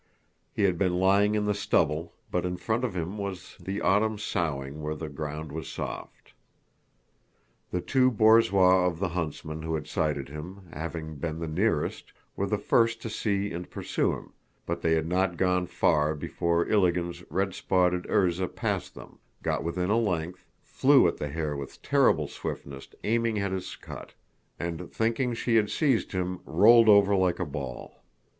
He had been lying in the stubble, but in front of him was the autumn sowing where the ground was soft. The two borzois of the huntsman who had sighted him, having been the nearest, were the first to see and pursue him, but they had not gone far before Ilágin's red spotted Erzá passed them, got within a length, flew at the hare with terrible swiftness aiming at his scut, and, thinking she had seized him, rolled over like a ball.